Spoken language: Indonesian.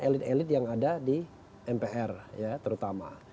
elit elit yang ada di mpr ya terutama